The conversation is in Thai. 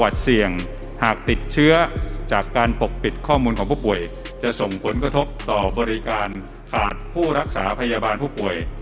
จะเกิดผลกระทบต่อบริการขาดผู้รักษาพยาบาลผู้ป่วย